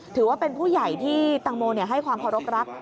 ถือว่าเป็นผู้ใหญ่ที่ตังโมให้ความเคารพรัก